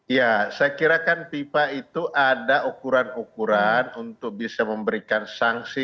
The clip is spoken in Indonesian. ya saya kirakan fifa itu ada ukuran ukuran untuk bisa memberikan sanksi